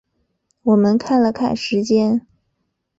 我们看了看时间